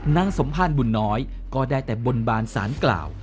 นางสมภารบุญน้อยก็ได้แต่บนบานสารกล่าว